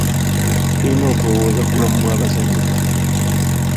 Tulina okulowooza ku bulamu bw'abazannyi baffe.